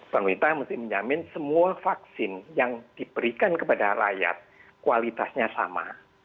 pemerintah mesti menjamin semua vaksin yang diberikan kepada rakyat kualitasnya sama